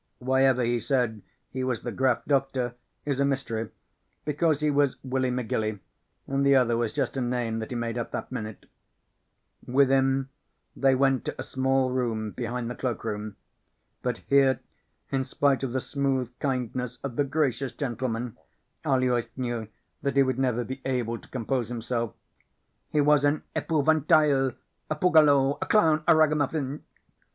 Whyever he said he was the Graf Doktor is a mystery, because he was Willy McGilly and the other was just a name that he made up that minute. Within, they went to a small room behind the cloak room. But here, in spite of the smooth kindness of the gracious gentleman, Aloys knew that he would never be able to compose himself. He was an epouvantail, a pugalo, a clown, a ragamuffin.